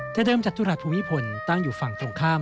แต่เดิมจตุรัสภูมิพลตั้งอยู่ฝั่งตรงข้าม